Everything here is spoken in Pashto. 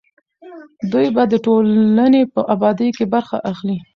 دوی به د ټولنې په ابادۍ کې برخه اخلي.